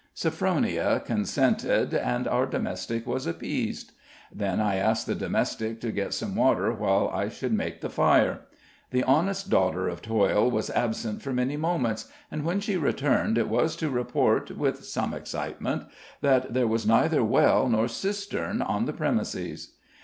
Sophronia consented, and our domestic was appeased. Then I asked the domestic to get some water while I should make the fire. The honest daughter of toil was absent for many moments, and when she returned, it was to report, with some excitement, that there was neither well nor cistern on the premises.